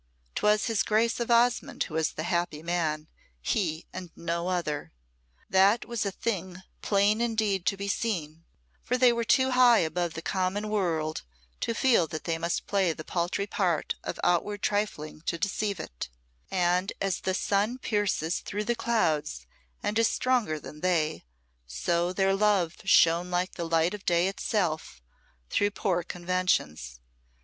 'Twas his Grace of Osmonde who was the happy man, he and no other. That was a thing plain indeed to be seen, for they were too high above the common world to feel that they must play the paltry part of outward trifling to deceive it; and as the sun pierces through clouds and is stronger than they, so their love shone like the light of day itself through poor conventions.